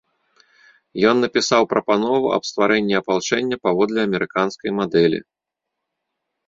Ён напісаў прапанову аб стварэнні апалчэння паводле амерыканскай мадэлі.